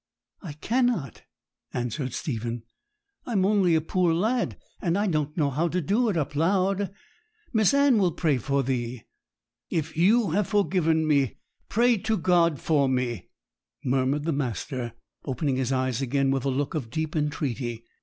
'I cannot,' answered Stephen; 'I'm only a poor lad, and I don't know how to do it up loud. Miss Anne will pray for thee.' 'If you have forgiven me, pray to God for me,' murmured the master, opening his eyes again with a look of deep entreaty.